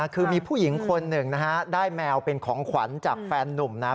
คือมีผู้หญิงคนหนึ่งนะฮะได้แมวเป็นของขวัญจากแฟนนุ่มนะ